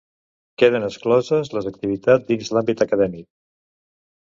Queden excloses les activitats dins l'àmbit acadèmic.